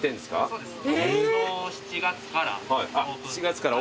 そうです。